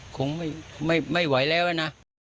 คงไม่ไหวแล้วนะ